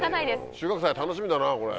収穫祭楽しみだなこれ。